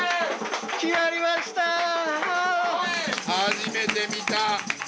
・初めて見た！